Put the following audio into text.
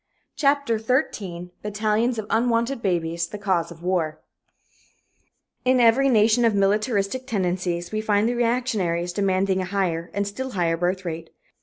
CHAPTER XIII BATTALIONS OF UNWANTED BABIES THE CAUSE OF WAR In every nation of militaristic tendencies we find the reactionaries demanding a higher and still higher birth rate.